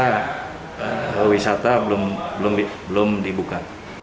wni dan wisata belum dibuka